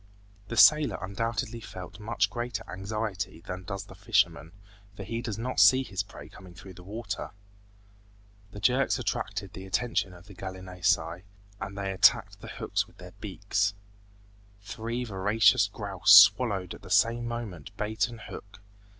The sailor undoubtedly felt much greater anxiety than does the fisherman, for he does not see his prey coming through the water. The jerks attracted the attention of the gallinaceae, and they attacked the hooks with their beaks. Three voracious grouse swallowed at the same moment bait and hook.